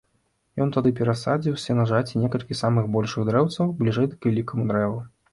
Ён тады перасадзіў з сенажаці некалькі самых большых дрэўцаў бліжэй к вялікаму дрэву.